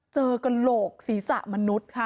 เจอกันโลกศีรษะมนุษย์ค่ะ